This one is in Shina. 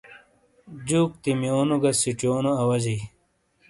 جُوک تِیمیونو گی سِیچیونو اواجیئ۔